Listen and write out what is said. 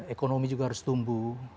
ekonomi juga harus tumbuh